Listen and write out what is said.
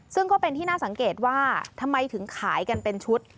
ซึ่งก็เป็นที่น่าสังเกตว่าทำไมถึงขายกันเป็นชุด